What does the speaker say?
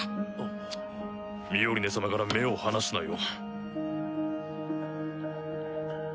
ミオリネ様から目を離すなよ。